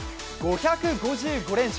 ５５５連勝。